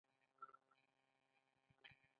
ایا زه باید په کور کې اوسم؟